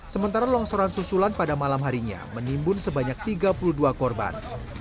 sementara longsoran susulan pada malam harinya menimbun sebanyak tiga puluh dua korban